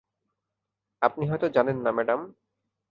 আপনি হয়তো জানেন না, ম্যাডাম।